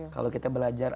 kalau kita belajar